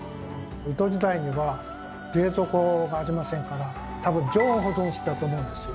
江戸時代には冷蔵庫がありませんから多分常温保存していたと思うんです。